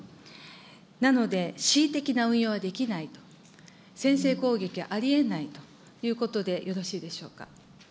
なので、恣意的な運用はできないと、先制攻撃はありえないということでよろしいでしょうか。